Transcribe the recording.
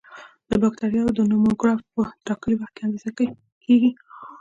د بکټریاوو د نمو ګراف په ټاکلي وخت کې اندازه کیږي.